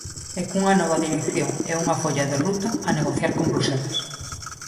E cunha nova dirección e unha folla de ruta a negociar con Bruxelas.